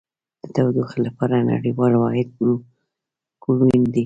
د تودوخې لپاره نړیوال واحد کلوین دی.